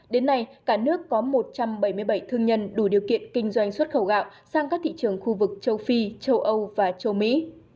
đến nay cả nước có một trăm bảy mươi bảy thương nhân đủ điều kiện kinh doanh xuất khẩu gạo sang các thị trường khu vực châu phi châu âu và châu mỹ